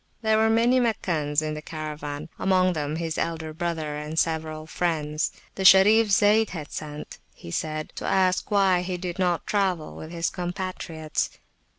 There were many Meccans in the Caravan, among them his elder brother and several friends: the Sharif Zayd had sent, he said, to ask why he did not travel with his compatriots.